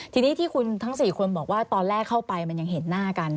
ทีนี้ที่คุณทั้ง๔คนบอกว่าตอนแรกเข้าไปมันยังเห็นหน้ากัน